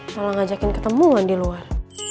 malah ngajakin ketemuan di luar